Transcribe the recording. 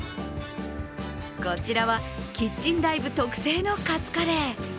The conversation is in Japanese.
こちらはキッチンＤＩＶＥ特製のカツカレー。